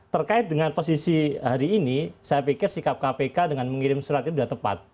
terkait dengan posisi hari ini saya pikir sikap kpk dengan mengirim surat itu sudah tepat